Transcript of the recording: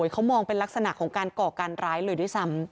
เขามองเป็นลักษณะของการก่อการร้ายเลยด้วยซ้ำ